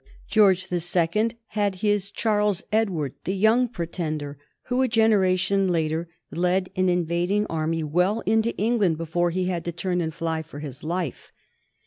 George the Second had his Charles Edward, the Young Pretender who a generation later led an invading army well into England before he had to turn and fly for his life.